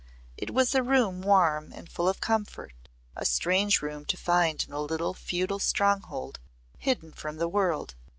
It was a room warm and full of comfort a strange room to find in a little feudal stronghold hidden from the world.